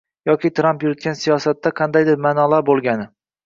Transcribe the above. yoki Tramp yuritgan siyosatda qandaydir ma’nolar bo‘lgani